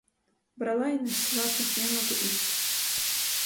Брала й несла слухняно до уст.